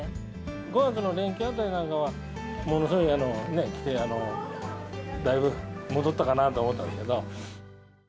５月の連休あたりなんかは、ものすごいね、来て、だいぶ戻ったかなと思ったんですけど。